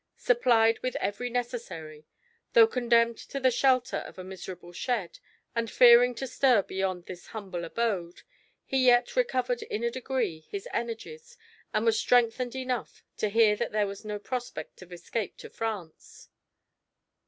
Supplied with every necessary, though condemned to the shelter of a miserable shed, and fearing to stir beyond this humble abode, he yet recovered in a degree, his energies, and was strengthened enough to hear that there was no prospect of escape to France.